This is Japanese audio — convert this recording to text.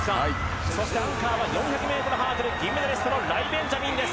アンカーは４００ｍハードル銀メダリストのライ・ベンジャミンです。